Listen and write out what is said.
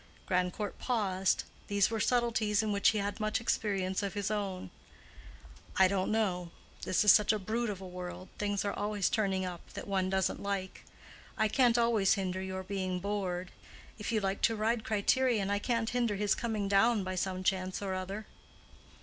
Grandcourt paused; these were subtilties in which he had much experience of his own. "I don't know—this is such a brute of a world, things are always turning up that one doesn't like. I can't always hinder your being bored. If you like to ride Criterion, I can't hinder his coming down by some chance or other."